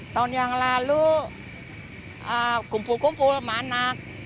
tahun yang lalu kumpul kumpul mana